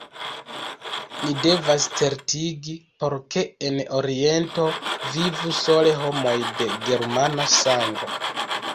Ni devas certigi, por ke en Oriento vivu sole homoj de germana sango.